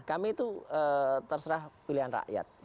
kami itu terserah pilihan rakyat